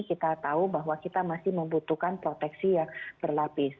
kita tahu bahwa kita masih membutuhkan proteksi yang berlapis